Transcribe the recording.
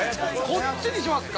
◆こっちにしますか。